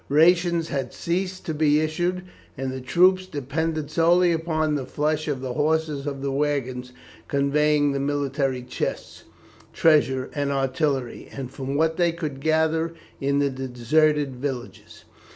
Rations had ceased to be issued, and the troops depended solely upon the flesh of the horses of the waggons conveying the military chests, treasure, and artillery, and from what they could gather in the deserted villages.